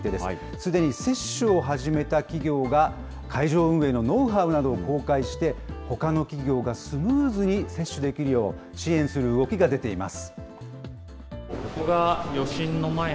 すでに接種を始めた企業が、会場運営のノウハウなどを公開して、ほかの企業がスムーズに接種できるよう、支援する動きが出ています。